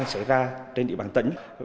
xảy ra trên địa bàn tỉnh